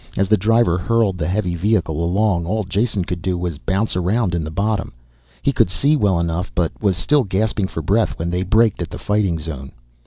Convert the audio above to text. As the driver hurled the heavy vehicle along, all Jason could do was bounce around in the bottom. He could see well enough, but was still gasping for breath when they braked at the fighting zone.